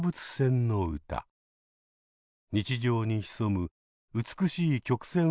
日常に潜む美しい曲線を描いたこの曲。